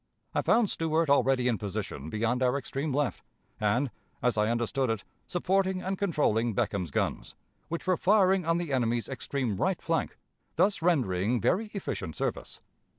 I found Stuart already in position beyond our extreme left, and, as I understood it, supporting and controlling Beckham's guns, which were firing on the enemy's extreme right flank, thus rendering very efficient service.